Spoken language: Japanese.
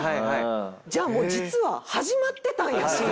じゃあもう実は始まってたんや審査が。